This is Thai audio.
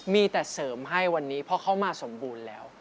มีแต่เสริมให้วันนี้เพราะเขามาสมบูรณ์แล้ว